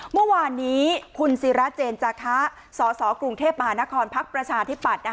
เมื่อวานนี้คุณศิราเจนจาคะสสกรุงเทพมหานครพักประชาธิปัตย์